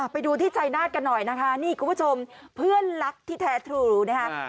ไปดูที่ชายนาฏกันหน่อยนะคะนี่คุณผู้ชมเพื่อนรักที่แท้ทรูนะคะ